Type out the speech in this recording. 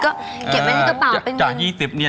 เก็บไว้ในกระเป๋าอาจจะเป็นเงิน